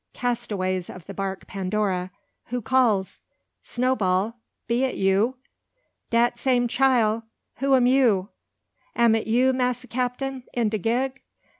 "Castaways of the bark Pandora, Who calls? Snowball! Be it you?" "Dat same chile, who am you? Am it you, massa Capten, in de gig?"